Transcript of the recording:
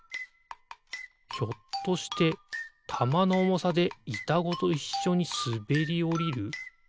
ひょっとしてたまのおもさでいたごといっしょにすべりおりる？